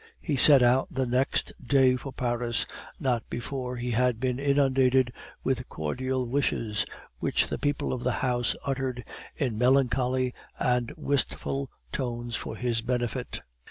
He set out the next day for Paris, not before he had been inundated with cordial wishes, which the people of the house uttered in melancholy and wistful tones for his benefit.